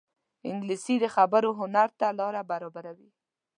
انګلیسي د خبرو هنر ته لاره برابروي